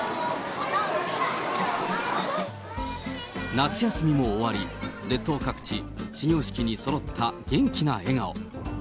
夏休みも終わり、列島各地、始業式にそろった元気な笑顔。